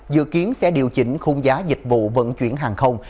dự kiến sẽ điều chỉnh khung giá dịch vụ vận chuyển hàng không